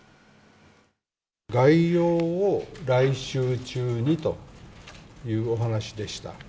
概要を来週中にというお話でした。